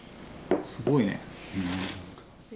すごいね。